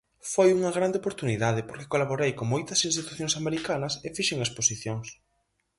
Foi unha grande oportunidade porque colaborei con moitas institucións americanas e fixen exposicións.